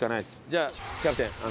じゃあキャプテン。